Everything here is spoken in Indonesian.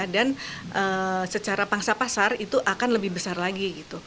dan secara pangsa pasar itu akan lebih besar lagi